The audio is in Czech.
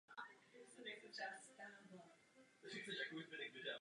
K jejich potvrzení nebo vyvrácení však budou potřeba další nálezy.